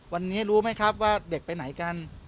วันนี้รู้ไหมครับว่าเด็กไปไหนกัน